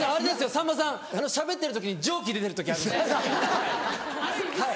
さんまさんしゃべってる時蒸気出てる時あるんではい。